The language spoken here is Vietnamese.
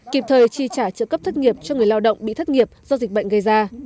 kịp thời tri trả trợ cấp thất nghiệp cho người lao động bị thất nghiệp do dịch bệnh gây ra